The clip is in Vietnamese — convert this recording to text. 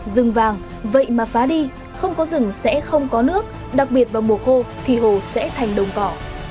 rừng vàng vậy mà phá đi không có rừng sẽ không có nước đặc biệt vào mùa khô thì hồ sẽ thành đồng cỏ